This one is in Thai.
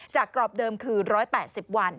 กรอบเดิมคือ๑๘๐วัน